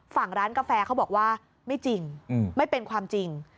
ฝั่งร้านกาแฟเขาบอกว่าไม่จริงไม่เป็นความจริง